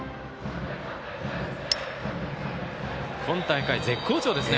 今大会、絶好調ですね。